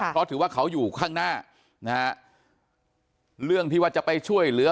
เพราะถือว่าเขาอยู่ข้างหน้านะฮะเรื่องที่ว่าจะไปช่วยเหลือ